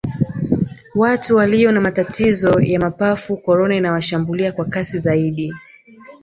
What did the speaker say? watu waliyo na matatizo ya mapafu korona inawashambulia kwa kasi zaidi